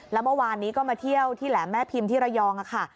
แล้วเมื่อวานนี้ก็มาเที่ยวที่แหลมแม่พิมพ์ที่ระยองค่ะ